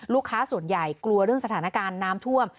ส่วนใหญ่กลัวเรื่องสถานการณ์น้ำท่วม